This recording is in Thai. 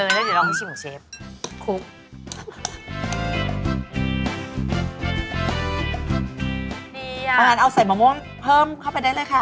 เรายังไม่ได้ชิมเลยใช่ไหมพี่โอ้